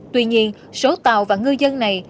tuy nhiên số tàu và ngư dân này